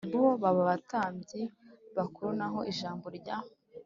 Bo baba abatambyi bakuru naho ijambo rya